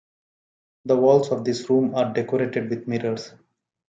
The walls of this room are decorated with mirrors.